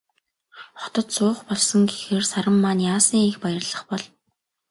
Хотод суух болсон гэхээр Саран маань яасан их баярлах бол.